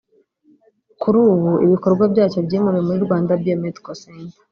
kuri ubu ibikorwa byacyo byimuriwe muri Rwanda Biomedical Center